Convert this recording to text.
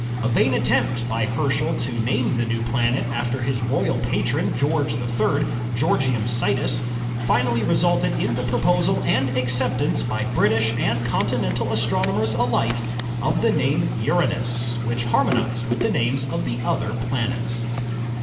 A vain attempt by Herschel to name the new planet after his royal patron, George III., "Georgium Sidus," finally resulted in the proposal and ac ceptance by British and continental astronomers alike of the name Uranus, which harmonized with the names of the other planets.